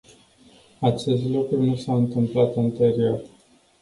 Acest lucru nu s-a întâmplat anterior.